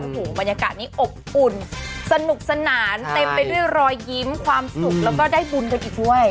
โอ้โหบรรยากาศนี้อบอุ่นสนุกสนานเต็มไปด้วยรอยยิ้มความสุขแล้วก็ได้บุญกันอีกด้วย